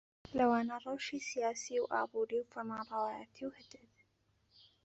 لەوانە ڕەوشی سیاسی و ئابووری و فەرمانڕەوایەتی و هتد